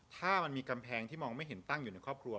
ถ้ามันมีกำแพงที่มองไม่เห็นตั้งอยู่ในครอบครัว